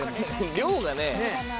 量がね。